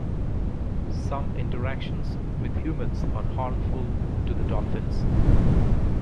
Some interactions with humans are harmful to the dolphins.